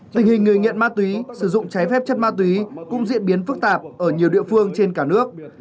tình hình người nghiện ma túy sử dụng trái phép chất ma túy cũng diễn biến phức tạp ở nhiều địa phương trên cả nước